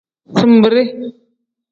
Zinbiri.